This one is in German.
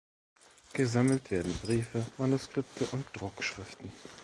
Gesammelt werden Briefe, Manuskripte und Druckschriften.